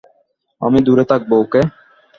আমি দূরে থাকব, ওকে?